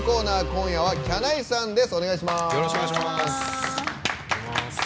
今夜は、きゃないさんです。